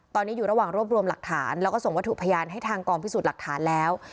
ตอนนี้อยู่ระหว่างรวบรวมหลักฐานแล้วก็ส่งวัตถุพยานให้ทางกองพิสูจน์หลักฐานแล้ว